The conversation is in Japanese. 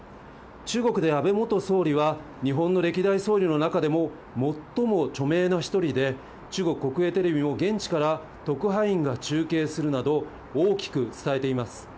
中国で安倍元総理は、日本の歴代総理の中でも最も著名な１人で、中国国営テレビも、現地から特派員が中継するなど、大きく伝えています。